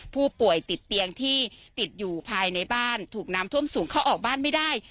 ผู้ป่วยติดเตียงที่ติดอยู่ภายในบ้านถูกน้ำท่วมสูงเขาออกบ้านไม่ได้